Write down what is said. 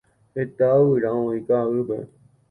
Heta yvyra oĩ ka'aguýpe.